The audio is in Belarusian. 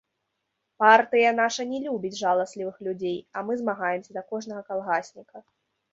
Партыя наша не любіць жаласлівых людзей, а мы змагаемся за кожнага калгасніка.